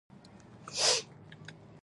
زما جنازه د ده له جنازې مخکې وړئ.